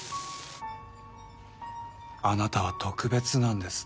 あなたは特別なんです立木さん。